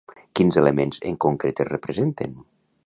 Quins elements en concret es representen?